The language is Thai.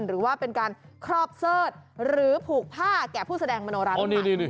หรือว่าเป็นการครอบเสิร์ธหรือผูกผ้าแก่ผู้แสดงมโนรัฐ